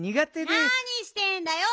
なにしてんだよ。